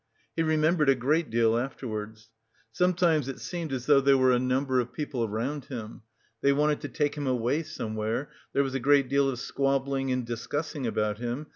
He remembered a great deal afterwards. Sometimes it seemed as though there were a number of people round him; they wanted to take him away somewhere, there was a great deal of squabbling and discussing about him.